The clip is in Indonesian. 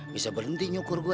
bisa berhenti syukur gue